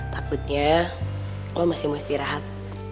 takutnya lo masih istirahat